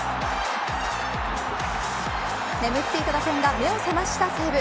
眠っていた打線が目を覚ました西武。